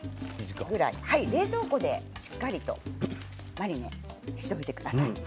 冷蔵庫でしっかりとマリネしておいてください。